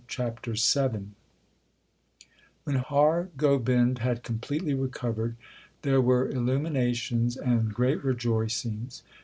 CHAPTER VII When Har Gobind had completely recovered, there were illuminations and great rejoicings.